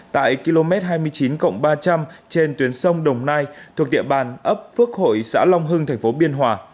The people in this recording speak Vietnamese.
tại km hai mươi chín ba trăm linh trên tuyến sông đồng nai thuộc địa bàn ấp phước hội xã long hưng thành phố biên hòa